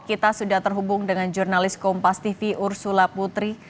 kita sudah terhubung dengan jurnalis kompas tv ursula putri